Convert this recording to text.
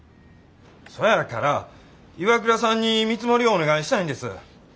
そやからＩＷＡＫＵＲＡさんに見積もりをお願いしたいんです。